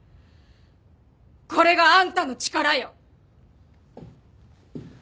これがあんたの力よ。